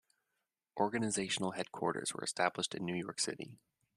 Organizational headquarters were established in New York City.